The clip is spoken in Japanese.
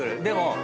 でも。